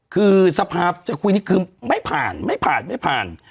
คือสภาพจะคุยนี่คือไม่ผ่านไม่ผ่านไม่ผ่าน